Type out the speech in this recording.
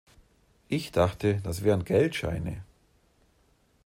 Ich dachte, das wären Geldscheine.